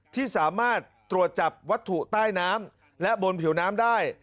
ที่สามารถตรวจจับวัตถุใต้น้ำและบนผิวน้ำได้